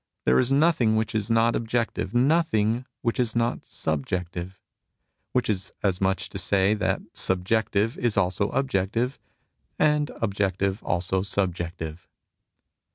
There is nothing which is not objective, nothing which is not subjective ; which is as much as to say, that subjective is also objective, and objective also subjective.